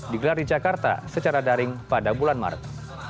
digelar di jakarta secara daring pada bulan maret